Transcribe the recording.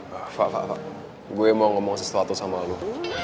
fah fah fah gue mau ngomong sesuatu sama lo